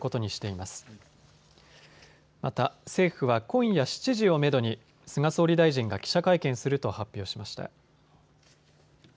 また政府は今夜７時をめどに菅総理大臣が記者会見すると発表しました。